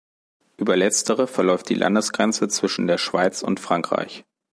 Über letztere verläuft die Landesgrenze zwischen der Schweiz und Frankreich.